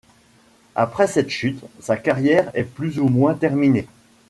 Après cette chute, sa carrière est plus ou moins terminée.